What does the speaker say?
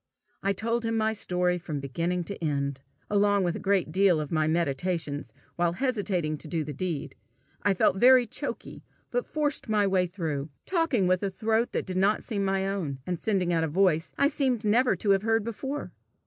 I told him my story from beginning to end, along with a great part of my meditations while hesitating to do the deed. I felt very choky, but forced my way through, talking with a throat that did not seem my own, and sending out a voice I seemed never to have heard before.